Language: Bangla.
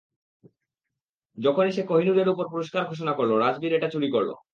যখনি সে কোহিনূর এর উপর পুরষ্কার ঘোষণা করলো, রাজবীর এটা চুরি করল।